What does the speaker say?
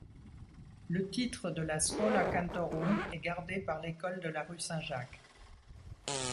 Le titre de la Schola Cantorum est gardé par l’école de la rue Saint-Jacques.